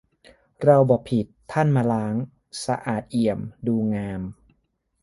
เราบ่ผิดท่านมาล้าง สะอาดเอี่ยม ดูงาม